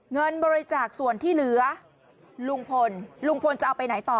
เงินบริจาคส่วนที่เหลือลุงพลลุงพลจะเอาไปไหนต่อ